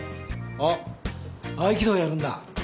あっ合気道やるんだ？